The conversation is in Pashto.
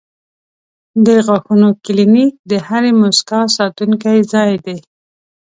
د غاښونو کلینک د هرې موسکا ساتونکی ځای دی.